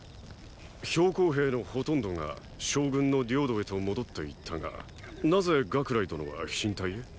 公兵のほとんどが将軍の領土へと戻っていったがなぜ岳雷殿は飛信隊へ？